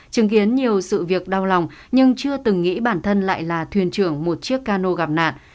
chứng kiến nhiều sự việc đau lòng nhưng chưa từng nghĩ bản thân lại là thuyền trưởng một chiếc cano gặp nạn